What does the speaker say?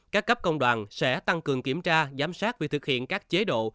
các cấp công đoàn sẽ tăng cường kiểm tra giám sát việc thực hiện các chế độ